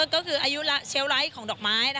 ก็คืออายุเชียวไร้ของดอกไม้